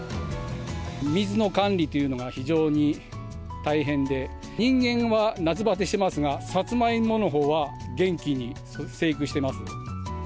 水の管理というのが非常に大変で、人間は夏バテしてますが、サツマイモのほうは元気に生育してます。